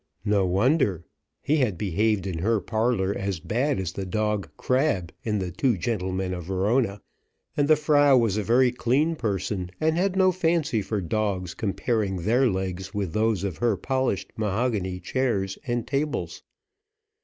No wonder: he had behaved in her parlour as bad as the dog Crab in the Two Gentlemen of Verona; and the Frau was a very clean person, and had no fancy for dogs comparing their legs with those of her polished mahogany chairs and tables.